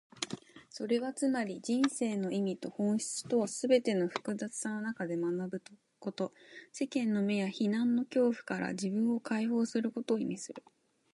それはつまり、人生の意味と本質をすべての複雑さの中で学ぶこと、世間の目や非難の恐怖から自分を解放することを意味する。